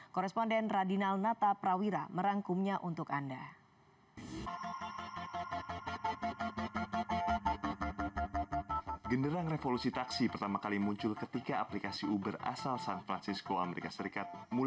koresponden radinal nata prawira merangkumnya untuk anda